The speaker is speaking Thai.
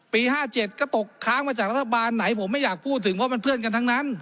๕๗ก็ตกค้างมาจากรัฐบาลไหนผมไม่อยากพูดถึงเพราะมันเพื่อนกันทั้งนั้น